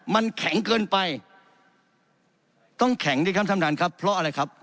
มันแข็งเกินไปต้องแข็งดีครับท่านประธานครับเพราะอะไรครับ